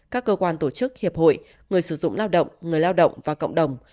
các cơ quan tổ chức hiệp hội người sử dụng lao động người lao động và cộng đồng